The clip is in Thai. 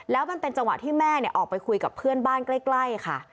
แล้วมันเป็นจังหวะที่แม่ออกไปคุยกับเพื่อนบ้านใกล้ค่ะ